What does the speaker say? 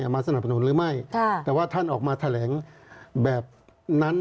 มาสนับสนุนหรือไม่แต่ว่าท่านออกมาแถลงแบบนั้น